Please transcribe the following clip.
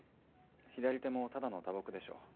左手もただの打撲でしょう。